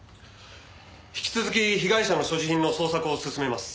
引き続き被害者の所持品の捜索を進めます。